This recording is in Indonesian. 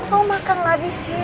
mau makan lagi sir